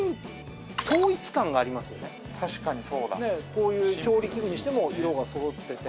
こういう調理器具にしても色がそろってて。